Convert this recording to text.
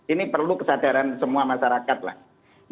ini perlu kesadaran semua masyarakat lah